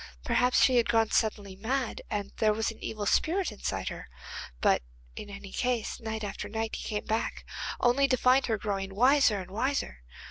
Perhaps she had gone suddenly mad, and there was an evil spirit inside her. But in any case, night after night he came back, only to find her growing wiser and wiser.